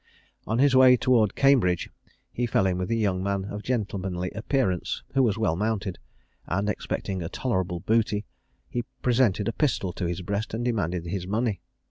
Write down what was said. On his way towards Cambridge he fell in with a young man of gentlemanly appearance, who was well mounted, and expecting a tolerable booty, he presented a pistol to his breast and demanded his money.